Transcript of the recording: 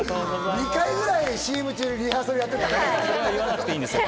２回ぐらいＣＭ中にリハーサルやってたね。